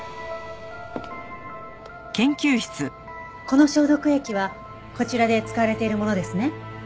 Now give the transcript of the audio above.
この消毒液はこちらで使われているものですね。